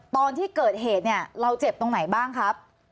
ตอนที่เกิดเหตุเนี่ยเราเจ็บตรงไหนบ้างครับ